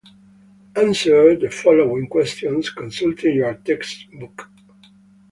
Answer the following questions consulting your text book.